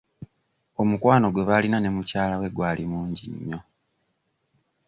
Omukwano gwe baalina ne mukyala we gwali mungi nnyo.